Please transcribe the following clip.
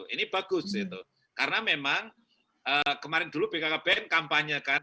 ini bagus itu karena memang kemarin dulu bkkbn kampanye kan